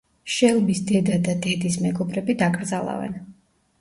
შელბის დედა და დედის მეგობრები დაკრძალავენ.